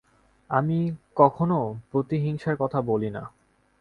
আমি কখনও প্রতিহিংসার কথা বলি না।